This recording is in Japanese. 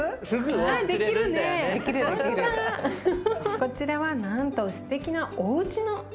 こちらはなんとすてきなおっ！